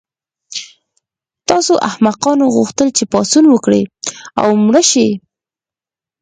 تاسو احمقانو غوښتل چې پاڅون وکړئ او مړه شئ